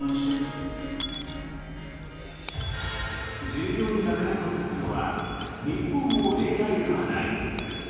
従業員が解雇されたのは日本も例外ではない。